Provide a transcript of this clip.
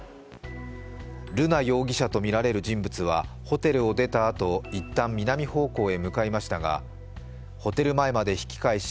瑠奈容疑者とみられる人物はホテルを出たあと一旦、南方向へ向かいましたがホテル前まで引き返し